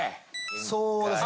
そうですね。